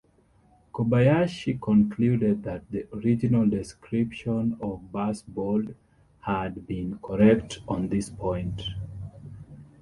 Kobayashi concluded that the original description of Barsbold had been correct on this point.